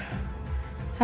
aku harus jaga mereka